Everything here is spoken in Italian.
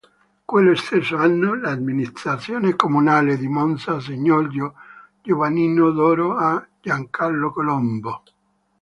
Quello stesso anno l'amministrazione comunale di Monza assegnò il Giovannino d'oro a Giancarlo Colombo.